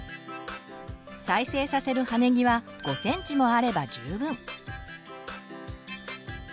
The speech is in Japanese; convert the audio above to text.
再生させる葉ねぎは５ｃｍもあれば十分！